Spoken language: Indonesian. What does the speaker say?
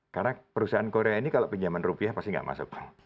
karena perusahaan korea ini kalau pinjaman rupiah pasti gak masuk